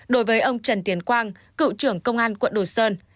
đối với ông trần tiến quang cựu trưởng công an quận đồ sơn